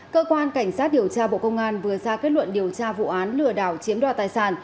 cơ quan cảnh sát điều tra bộ công an vừa ra kết luận điều tra vụ án lừa đảo chiếm đoạt tài sản